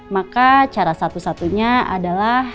maka cara satu satunya adalah